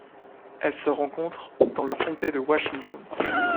Elle se rencontre dans le comté de Washington.